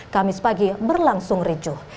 kamis pagi berlangsung ricuh